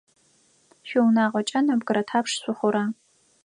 Шъуиунагъокӏэ нэбгырэ тхьапш шъухъура?